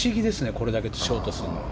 これだけショートするのは。